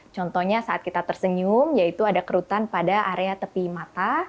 contohnya saat kita tersenyum yaitu ada kerutan pada area tepi mata